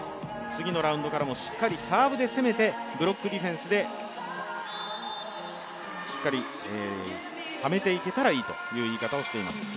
次のラウンドでもしっかりサーブで攻めてブロックディフェンスでしっかりためていけたらいいという言い方をしていました。